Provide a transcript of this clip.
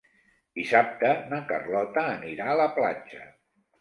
Dissabte na Carlota anirà a la platja.